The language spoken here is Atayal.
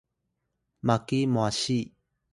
maki mwasi